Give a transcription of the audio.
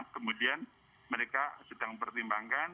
kemudian mereka sedang pertimbangkan